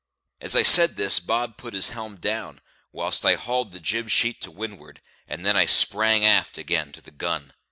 As I said this, Bob put his helm down, whilst I hauled the jib sheet to windward, and then I sprang aft again to the gun.